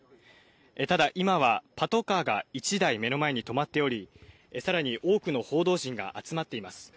ただ、今はパトカーが１台目の前に泊まっており更に多くの報道陣が集まっています。